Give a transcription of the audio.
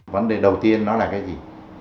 vấn đề đầu tiên nó là cái gì